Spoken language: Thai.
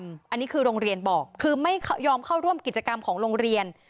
อันนี้คือโรงเรียนบอกคือไม่ยอมเข้าร่วมกิจกรรมของโรงเรียน